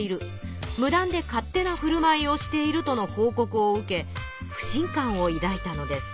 無断で勝手なふるまいをしているとの報告を受け不信感をいだいたのです。